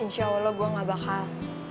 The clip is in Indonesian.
insya allah gue gak bakal